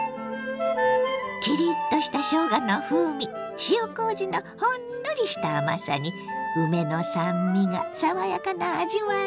キリッとしたしょうがの風味塩こうじのほんのりした甘さに梅の酸味が爽やかな味わい。